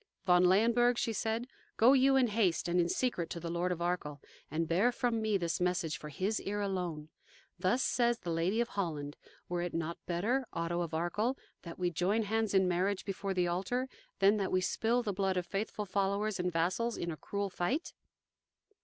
"Von Leyenburg," she said, "go you in haste and in secret to the Lord of Arkell, and bear from me this message for his ear alone. Thus says the Lady of Holland: 'Were it not better, Otto of Arkell, that we join hands in marriage before the altar, than that we spill the blood of faithful followers and vassals in a cruel fight?